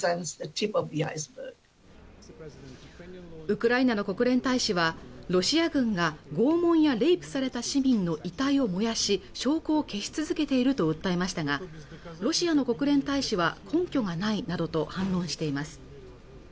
ウクライナの国連大使はロシア軍が拷問やレイプされた市民の遺体を燃やし証拠を消し続けていると訴えましたがロシアの国連大使は根拠がないなどと反論しています